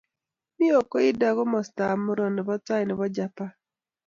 mi Hokkaido komostab murot tai nebo Japan